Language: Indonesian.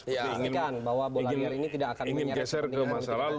ya bahwa bola liar ini tidak akan menyeret ke kepentingan